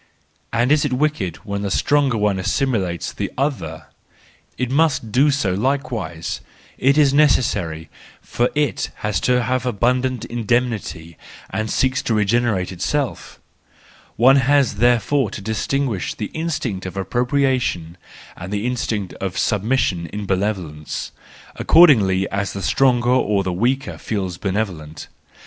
And is it wicked when the stronger one assimilates the other ? It must do so likewise: it is necessary, for it has to have abundant indemnity and seeks to regenerate itself. One has there¬ fore to distinguish the instinct of appropriation, and the instinct of submission, in benevolence, according as the stronger or the weaker feels benevolent.